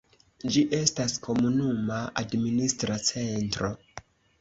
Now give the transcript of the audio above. Ĝi estas komunuma administra centro.